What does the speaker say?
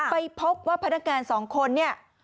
ไปพบว่าพนักงานสองคนเนี่ย